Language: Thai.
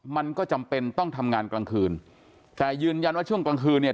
มันก็จำเป็นต้องทำงานกลางคืนแต่ยืนยันว่าช่วงกลางคืนเนี่ย